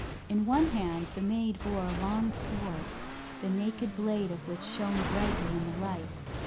In one hand the maid bore a long sword, the naked blade of which shone brightly in the light.